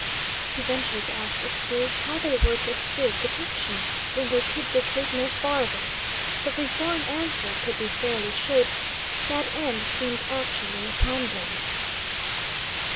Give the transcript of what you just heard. He ventured to ask Ixtli how they were to escape detection when they could retreat no farther, but before an answer could be fairly shaped, that end seemed actually upon them.